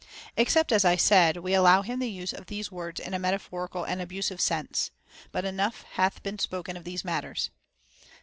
* except, as I said, we allow him the use of these words in a metaphorical and abusive sense. But enough hath been spoken of these matters.